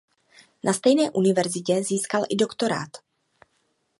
Na stejné univerzitě získal i doktorát.